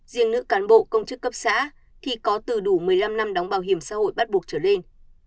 riêng nữ cán bộ công chức cấp xã thì có từ đủ một mươi năm năm đóng bảo hiểm xã hội bắt buộc trở lên